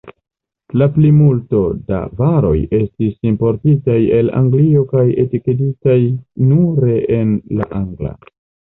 La plimulto da varoj estis importitaj el Anglio kaj etikeditaj nure en la angla.